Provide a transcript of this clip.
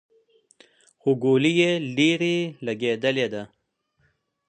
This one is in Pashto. خو ګولۍ يې ليرې لګېدې.